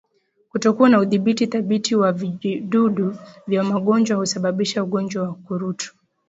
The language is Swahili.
Kutokuwa na udhibiti thabiti wa vijidudu vya magonjwa husababisha ugonjwa wa ukurutu